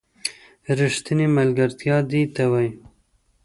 ریښتینې ملگرتیا دې ته وايي